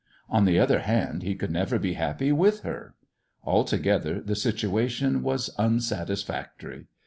On the other hand, he could never be happy with her. Altogether the situation was unsatisfactory.